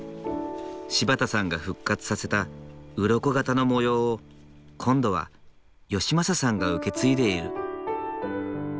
柴田さんが復活させた鱗形の模様を今度は昌正さんが受け継いでいる。